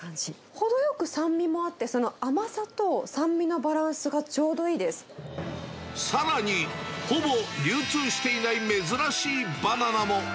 程よく酸味もあって、その甘さと酸味のバランスがちょうどいいでさらに、ほぼ流通していない珍しいバナナも。